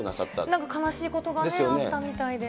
なんか悲しいことがあったみたいで。